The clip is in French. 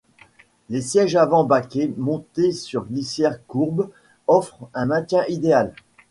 Les sièges avant baquets montés sur glissières courbes, offrent un maintien idéal.